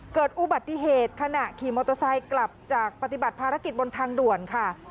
เกิดอุบัติเหตุขณะขี่มอเตอร์ไซค์กลับจากปฏิบัติภารกิจบนทางด่วนค่ะ